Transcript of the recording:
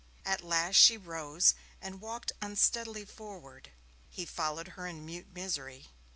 At last she rose and walked unsteadily forward. He followed her in mute misery.